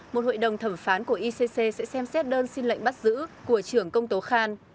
một hội đồng thẩm phán của icc sẽ xem xét đơn xin lệnh bắt giữ của trưởng công tố khan